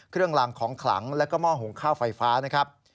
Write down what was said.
เครื่องลางของขลังแล้วก็ม่อโหงข้าวไฟฟ้านะครับ